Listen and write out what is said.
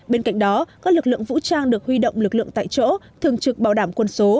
bên cạnh đó các lực lượng vũ trang được huy động lực lượng tại chỗ thường trực bảo đảm quân số